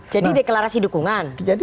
jadi deklarasi dukungan